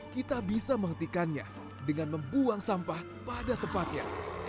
kita bisa menghentikannya dengan membuang sampah pada tempatnya